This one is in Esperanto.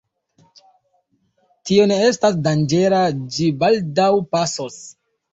Tio ne estas danĝera, ĝi baldaŭ pasos.